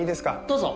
どうぞ。